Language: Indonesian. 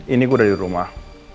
ini gue udah di rumah